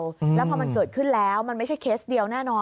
แล้วพอมันเกิดขึ้นแล้วมันไม่ใช่เคสเดียวแน่นอน